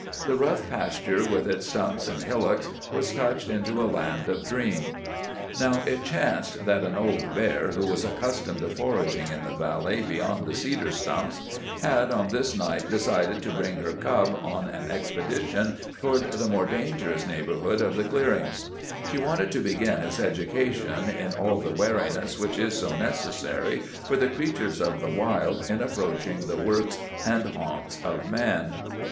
The rough pasture, with its stumps and hillocks, was touched into a land of dream. Now, it chanced that an old bear, who was accustomed to foraging in the valley beyond the cedar swamp, had on this night decided to bring her cub on an expedition toward the more dangerous neighbourhood of the clearings. She wanted to begin his education in all the wariness which is so necessary for the creatures of the wild in approaching the works and haunts of man.